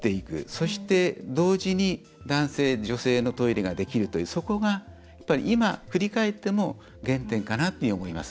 そして、同時に男性、女性のトイレができるという、そこが今、振り返っても原点かなと思います。